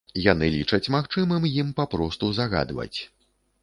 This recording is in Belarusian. Яны лічаць магчымым ім папросту загадваць.